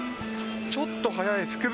ちょっと早い福袋？